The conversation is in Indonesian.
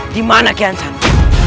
dimana kian sanu